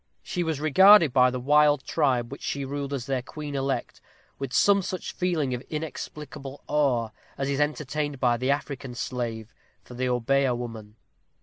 She was regarded by the wild tribe which she ruled as their queen elect, with some such feeling of inexplicable awe as is entertained by the African slave for the Obeah woman.